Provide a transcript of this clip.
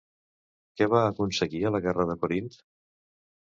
Què va aconseguir a la guerra de Corint?